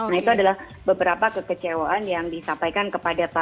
nah itu adalah beberapa kekecewaan yang disampaikan kepada pak